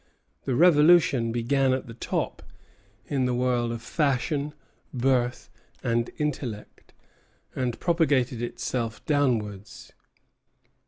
The Revolution began at the top, in the world of fashion, birth, and intellect, and propagated itself downwards.